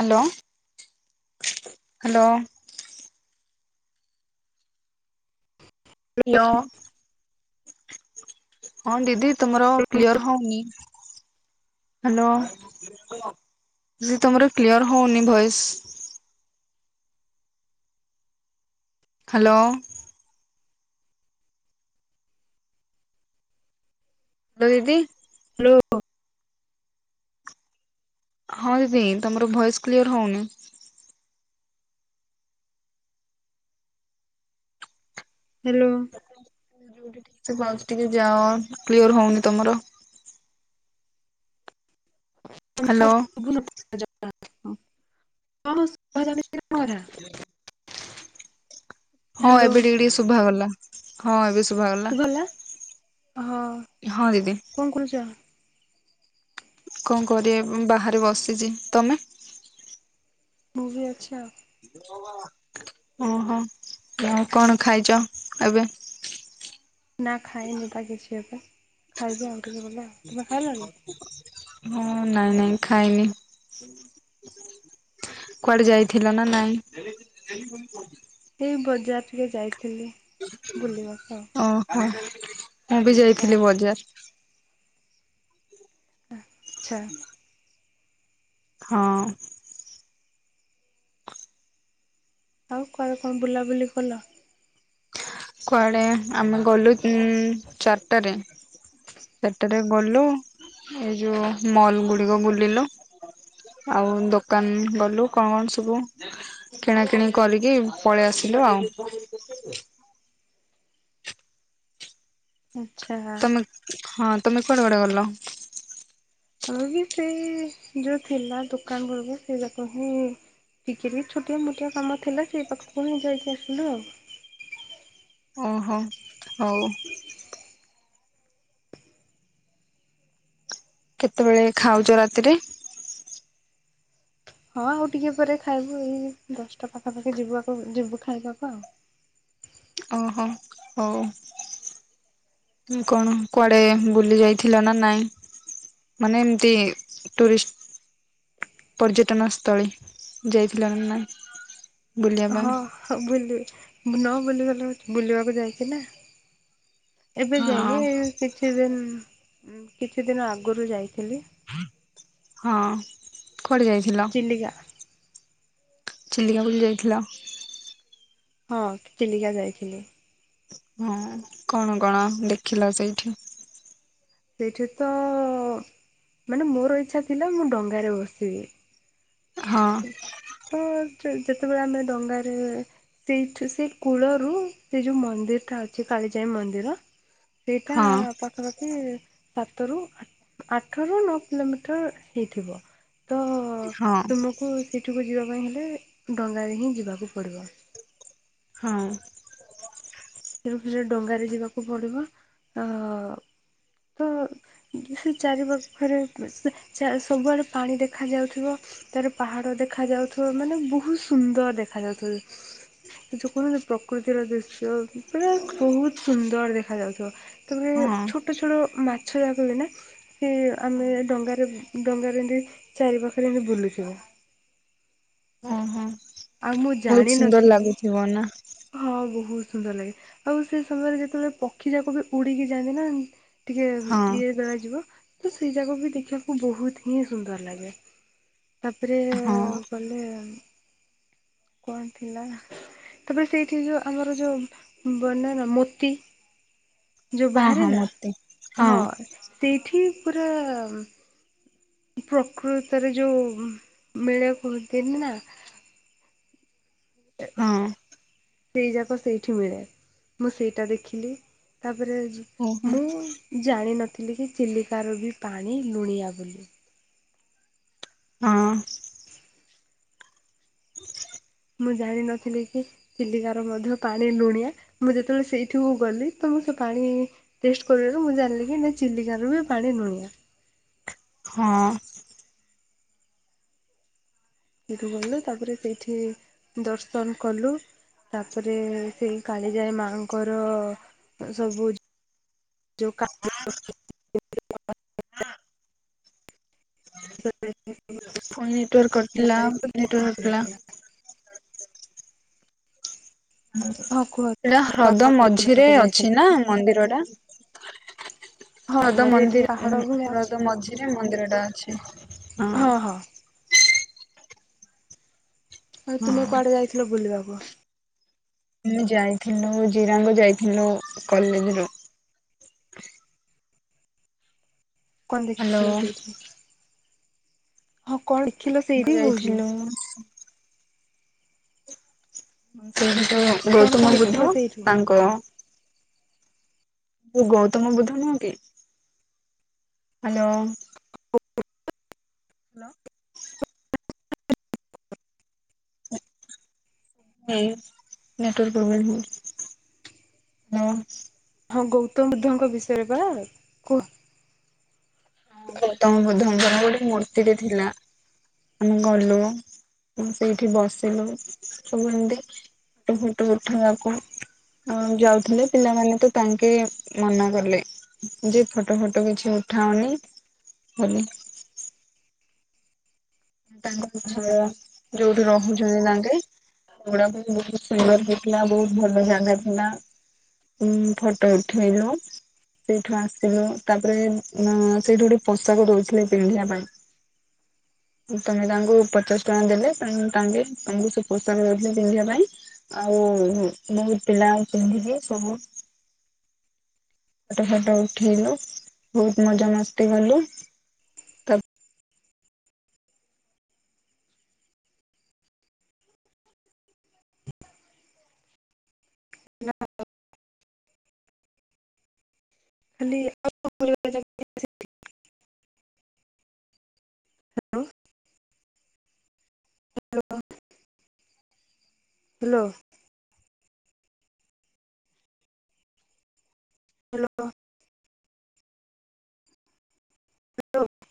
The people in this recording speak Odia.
Hello hello. ହ୍ୟାଲୋ ହଁ ଦିଦି ତୁମର ହ୍ୟାଲୋ କ୍ଲିୟର ହଉନି। [inaudible] ହ୍ୟାଲୋ, ଦିଦି ତମର କ୍ଲିୟର ହଉନି ଭଏସ। ହ୍ୟାଲୋ। ହ୍ୟାଲୋ ଦିଦି ହ୍ୟାଲୋ। ହଁ ଦିଦି ତମର ଭଏସ କ୍ଲିଅର ହଉନି। ହ୍ୟାଲୋ। [unintelligible] ଯାଅ କ୍ଲିଅର ହଉନି ତମର। ହ୍ୟାଲୋ। [unintelligible] ହଁ ହ୍ୟାଲୋ ଏବେ ଟିକେ ଟିକେ ଶୁଭାଗଲା ହଁ ଏବେ ଶୁଭାଗଲା। ହଁ ହଁ ଦିଦି କଣ କରୁଚ? କଣ କରିବା ବାହାରେ ବସିଚି। ତମେ? ମୁଁ ଭିି ଅଛି ଆଉ। ଓହୋ ଆଉ କଣ ଖାଇଛ ଏବେ? ନା ଖାଇନି ପା କିଛି ଏବେ। ଖାଇବି ଆଉ ଟିକେ ଗଲେ। ତୁମେ ଖାଇଲଣିି? ହଁ ନାଇଁ ନାଇଁ ଖାଇନି। କୁଆଡେ ଯାଇଥିଲା ନା ନାଇଁ? ଏଇ ବଜାର ଟିକେ ଯାଇଥିଲି। ବୁଲିବାକୁ ଆଉ। ଓହୋ ମୁଁ ବି ହଁ। ଯାଇଥିଲି ବଜାର। ଆଚ୍ଛା। ହଁ। ଆଉ କୁଆଡେ କଣ ବୁଲାବୁଲି କଲ? କୁଆଡେ ଆମେ ଗଲୁ ଉଁ ଚାରିଟାରେ। ଚାରଟାରେ ଗଲୁ ଏଇ ଯୋଉ ମଲ ଗୁଡିକ ବୁଲିଲୁ। ଆଉ ଦୋକାନ ଗଲୁ କଣ ସବୁ କିଣାକିଣି କରିକି ପଳେଇ ଆସ ସିଲୁ ଆଉ ଆଚ୍ଛା। ତମେ ହଁ ତମେ କୁଆଡେ କୁଡେ ଗଲ? ଆମେ ବି ସେଇ ଯୋଉ ଥିଲା ଦୋକାନ ଗୁଡାକୁ ସେଇ ଗାକୁ ହିଁ ଟିକେ ବି ଛୋଟିଆ ମୋଟିଆ କାମ ଥିଲା ସେଇ ପାଖକୁ ହିଁ ଯାଇକି ଆସିଲୁ ଆଉ। ଓହୋ ହୋଉ। କେତେବେଳେ ଖାଉଛ ରାତିରେ? ହଁ ଆଉ ଟିକେ ପରେ ଖାଇବୁ ଏଇ ଦଶଟା ପାଖାପାଖି ଯିବୁ ଯିବୁ ଖାଇବାକୁ ଆଉ ଓହୋ ହୋଉ। କଣ କୁଆଡେ ବୁଲି ଯାଇଥିଲ ନା ନାଇଁ? ମାନେ ଏମିତି ଟୁରିଷ୍ଟି ପର୍ଯ୍ୟଟନ ସ୍ଥଳୀ ଯାଇଥିଲ ନା ନାଇଁ। ବୁଲିବା ପାଇଁ ହଁ ବୁଲି ନ ବୁଲିଗଲେ ବୁଲିବାକୁ ଯାଇଥିଲେ। ଏବେ ହଁ ଯାଇନି କିଛି ଦିନ- କିଛି ଦିନ ଆଗରୁ ଯାଇଥିଲି। ହଁ କୁଆଡେ ଯାଇଥିଲ? ଚିଲିକା ଚିଲିକାକୁ ଯାଇଥିଲ। ହଁ ଚିଲିକା ଯାଇଥିଲି। ହଁ କଣ କଣ ଦେଖିଲ ସେଇଠି? ସେଇଠି ତ ମାନେ ମୋର ଇଚ୍ଛା ଥିଲା ମୁଁ ଡଙ୍ଗାରେ ବସିବି। ହଁ। ତ ଯେତେବେଳେ ଆମେ ଡଙ୍ଗାରେ ସେଇଠୁ ସେଇ କୂଳରୁ ସେ ଯୋଉ ମନ୍ଦିରଟା ଅଛି କା କାଳିଜାଇ ମନ୍ଦିର ସେଇଟା ହଁ ପାଖାପାଖି ସତରୁ ଆଠରୁ ନଅ କିଲୋମିଟର ହେଇ ଥିବ। ତ ହଁ ତୁମକୁ ସେଇଠିକୁ ଯିବା ପାଇଁ। ଡଙ୍ଗାରେ ହିଁ ଯିବାକୁ ପଡ଼ିବ। ହଁ। ତେଣୁ ସେ ଡଙ୍ଗାରେ ଯିବାକୁ ପଡିବ ଆ ତ ସେ ଚାରିପଖରେ ଚା ସବୁଆଡେ ପାଣି ଦେଖାଯାଉଥିବ। ତାର ପାହାଡ ଦେଖା ଯାଉଥିବ ମାନେ ବହୁତ ସୁନ୍ଦର ଦେଖା ଯାଉଥିବ। ସେଇ ଯଉ କହନ୍ତିନି ପ୍ରକୃତିର ଦୃଶ୍ୟ। ପୁରା ବହୁତ ସୁନ୍ଦର ଦେଖାଯାଉଥିବ ତାପରେ ହଁ। ଛୋଟ ଛୋଟ ମା ଛଡ଼ା କଲେ ନା ସେ ଆମେ ଡଙ୍ଗାରେ ଡଙ୍ଗାରେ ଏମିତି ଚାରି ପାଖରେ ଏମିତି ବୁଲୁଥିବେ। ଓହୋ ବହୁତ ସୁନ୍ଦର ଜାଣିନଥିଲି ଲାଗୁଥିବ ନାଁ। ହଁ ବହୁତ ସୁନ୍ଦର ଲାଗେ ଆଉ ସେ ସମୟରେ ଯେତେବେଳେ ପକ୍ଷୀ ଯାକ ବି ଉଡିକି ଯାଆନ୍ତି ନା ଟିକେ ହଁ ଇଏ କରାଯିବ। ତ ସେଇ ଯାକ ବି ଦେଖିବାକୁ ବହୁତ ହିଁ ସୁନ୍ଦର ଲାଗେ। ତାପରେ ହଁ ଗଲେ କଣ ଥିଲା ତାପରେ ସେଇଠି ଯୋଉ ଆମର ଯୋଉ ମାନ ନା ମୋତି ଯେଉଁ ହଁ ବାହାରେ ହଁ ନାଁ ମତେ ହଁ ସେଇଠି ପୁରା ପ୍ରକୃତରେ ଯୋଉ ମେଳ କୁହନ୍ତିନି ନାଁ। ହଁ ସେଇ ଯାକ ସେଇଠି ମିଳେ ମୁଁ ସେଇଟା ଦେଖିଲି ତା ତାପରେ ଓହୋ ମୁଁ ଜାଣିନଥିଲି। ଥିଲେ କିି ଚିଲିକାର ବି ପାଣି ଲୁଣିଆ ବୋଲି। ହଁ। ମୁଁ ଜାଣିନଥିଲି କି ଚିଲିକାର ମଧ୍ୟ ପାଣି ଲୁଣିଆ ମୁଁ ଯେତେବେଳେ ସେଇଠିକୁ ଗଲି ତ ମୁଁ ସେ ପାଣି ଟେଷ୍ଟ କରିବାରୁ ମୁଁ ଜାଣିଲି କି ଚିଲିକା ବି ପାଣି ନୁଣିଆ। ହଁ। ସେଠୁ ଗଲୁ ତାପରେ ସେଇଠି ଦର୍ଶନ କଲୁ। ତାପରେ ସେଇ କାଳିଜାଇ ମାଆଙ୍କର ସବୁ ଯୋଉଁ [unintelligible] ହଁ। ସେ ପୁଣି ନେଟୱାର୍କ କଟିଲା ନେଟୱାର୍କ କଟିଲା। ହଁ କୁହ ଏଇଟା ହ୍ରଦ ମଝିରେ ବୁଲିବାକୁ ଅଛି ଯାଇଥିଲେ ନା ମନ୍ଦିର ଟା? ହଁ ହ୍ରଦ ମଝିରେ ଟିକେ ମନ୍ଦିର ପାହାଡ ଭଳିଆ ଅଛି। ହ୍ରଦ ମଝିରେ ମନ୍ଦିର ଟା ଅଛି। ହଁ ହଁ। ଆଉ ତୁମେ ହଁ କୁଆଡେ ଯାଇଥିଲ ବୁଲିବାକୁ? ମୁଁ ଯାଇଥିଲୁ ଜିରାଙ୍ଗ ଯାଇଥିଲୁ କଲେଜ ରୁ କଣ ହ୍ୟାଲୋ ଦେଖିଥିଲ ସେଇଠି? ହଁ କଣ ଦେଖିଲ ମୁଁ ସେଇଠି କହୁଛି। ଯାଇଥିଲୁ ସେ ଗୋଟ କଣ କଣ ଗୌତମ ବୁଦ୍ଧ ଦେଖିଲ ସେଇଠୁ? ତାଙ୍କ ଗୌତମ ବୁଦ୍ଧ ନୁହଁ କି ହ୍ୟାଲୋ। ହ୍ୟାଲୋ। ହେ ନେଟୱର୍ ପ୍ରୋବ୍ଲେମ ହେଉଚି। ହଁ ଗୌତମ ବୁଦ୍ଧଙ୍କ ବିଷୟରେ ବା କୁହ? ହଁ ଗୌତମ ବୁଦ୍ଧଙ୍କ ଗୋଟେ ମୂର୍ତ୍ତିଟେ ଥିଲା। ଆମେ ଗଲୁ ଆମେ ସେଇଠି ବସିଲୁ। ସବୁ ଏତିଟ ଫୋଟୋ ଉଠେଇବାକୁ। ଯାଉଥିଲେ। ପିଲାମାନେ ତ ତାଙ୍କେ ମନା କଲେ। ଯେ ଫଟୋ ଫଟ କିଛି ଉଠାଅନ ବୋଲି ତାଙ୍କ ଘର ଯୋଉଁଠି ରହୁଛନ୍ତି ତାଙ୍କେ ଡା ବହୁତ ସୁନ୍ଦର ହେଇଥିଲା। ବହୁତ ଭଲ ଜାଗା ଥିଲା। ଉଁ ଫଟୋ ଉଠୋଇଲୁ। ସେଇଠୁ ଆସିଥିଲୁ ତାପରେ ସେଇଠୁ ଗୋଟେ ପୋଷାକ ଦଉଥିଲେ ପିନ୍ଧିବା ପାଇଁ। [inaudible] ତମେ ତାଙ୍କୁ ପଚାଶ ଟଙ୍କା ଦେଲେ ତାଙ୍କେ ତମକୁ ସେ ପୋଷାକ ଦଉଥିଲେ ପିନ୍ଧିବା ପାଇଁ। ଆଉ ବହୁତ ପିଲା ଆଉ ପିନ୍ଧିକି ସବୁ ଫଟ ଫଟ ଉଠେଇଲୁ ବହୁତ ମଜା ମସ୍ତି କଲୁ। ତ ଖାଲି [unintelligible] ହ୍ୟାଲୋ। ହ୍ୟାଲୋ। ହ୍ୟାଲୋ। [unintelligible]